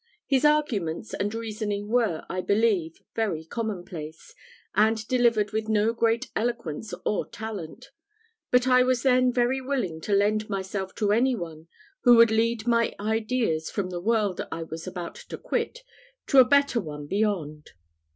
His arguments and reasoning were, I believe, very common place, and delivered with no great eloquence or talent; but I was then very willing to lend myself to any one who would lead my ideas from the world I was about to quit to a better one beyond.